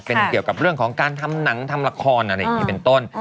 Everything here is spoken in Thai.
เป็นเกี่ยวกับเรื่องของการทำหนังทำละครอะไรอย่างนี้เป็นต้น